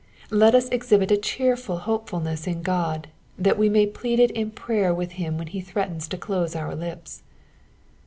Let us exhibit a cheerful hopeful, ness in God, that we may plead it in prayer with him when he threatens to close our lips.